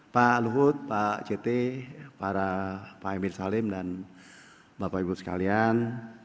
pak luhut pak cete para pak emir salim dan bapak ibu sekalian